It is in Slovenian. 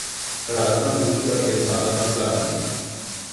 Prazna bučka je stala na pladnju.